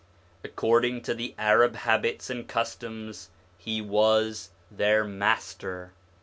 According to the Arab habits and customs, he was her master.